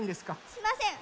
しません。